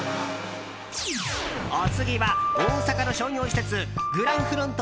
お次は大阪の商業施設グランフロント